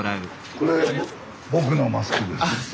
これ僕のマスクです。